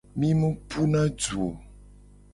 Mi mu puna du o.